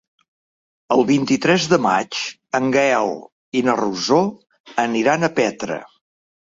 El vint-i-tres de maig en Gaël i na Rosó aniran a Petra.